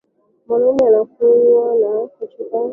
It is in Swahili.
Mwanamume anakunywa kwa chupa cha maji